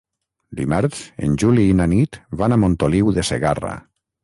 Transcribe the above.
Dimarts en Juli i na Nit van a Montoliu de Segarra.